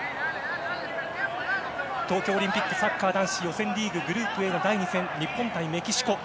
東京オリンピックサッカー男子予選リーググループＡの第２戦日本対メキシコ。